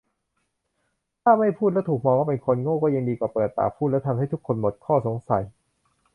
ถ้าไม่พูดแล้วถูกมองว่าเป็นคนโง่ก็ยังดีกว่าเปิดปากพูดและทำให้ทุกคนหมดข้อสงสัย